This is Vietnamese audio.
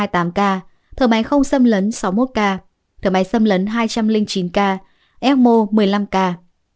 thở máy không xâm lấn sáu mươi một ca thở máy xâm lấn hai trăm linh chín ca emo một mươi năm ca